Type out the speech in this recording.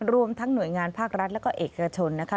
รวมทั้งหน่วยงานภาครัฐแล้วก็เอกชนนะคะ